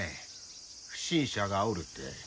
不審者がおるって。